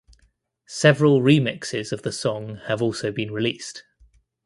Several remixes of the song have also been released.